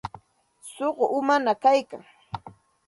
Suqu umañaq kayka.